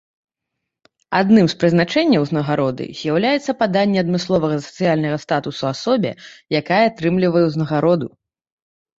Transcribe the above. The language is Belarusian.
Адным з прызначэнняў узнагароды з'яўляецца паданне адмысловага сацыяльнага статусу асобе, якая атрымлівае ўзнагароду.